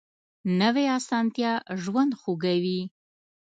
نوې اسانتیا ژوند خوږوي